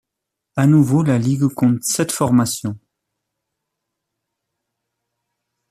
À nouveau, la ligue compte sept formations.